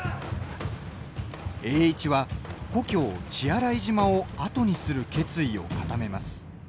栄一は故郷・血洗島を後にする決意を固めます。